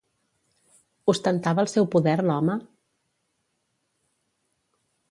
Ostentava el seu poder l'home?